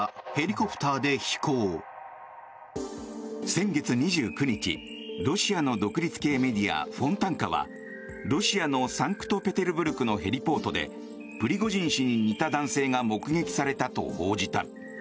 先月２９日ロシアの独立系メディアフォンタンカはロシアのサンクトペテルブルクのヘリポートでプリゴジン氏に似た男性が目撃されたと報じた。